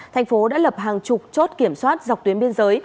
thành phố đã lập hàng chục chốt kiểm soát dọc tuyến biên giới